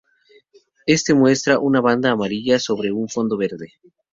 Éste muestra una banda amarilla sobre un fondo verde.